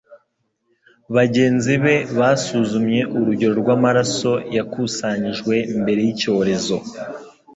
bagenzi be basuzumye urugero rw'amaraso yakusanyijwe mbere y’icyorezo